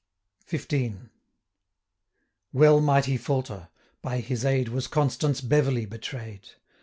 235 XV. Well might he falter! By his aid Was Constance Beverley betray'd.